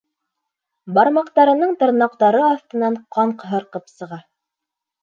Бармаҡтарының тырнаҡтары аҫтынан ҡан һарҡып сыға.